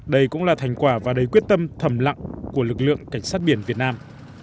đây cũng là thành quả và đầy quyết tâm thầm lặng của lực lượng cảnh sát biển việt nam